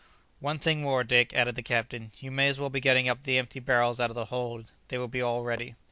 "One thing more, Dick," added the captain; "you may as well be getting up the empty barrels out of the hold; they will be all ready."